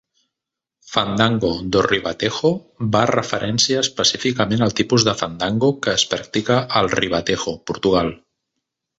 "Fandango do Ribatejo" va referència específicament al tipus de fandango que es practica a Ribatejo, Portugal.